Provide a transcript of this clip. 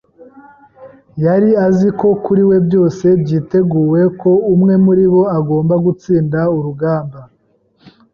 Yari azi ko kuri we byose byiteguwe, ko umwe muri bo agomba gutsinda urugamba,